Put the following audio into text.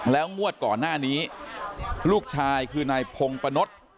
แล้วงวดก่อนหน้านี้ลูกชายคือนายพงปะนด